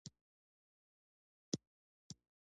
ایا زه باید ټیټ بالښت وکاروم؟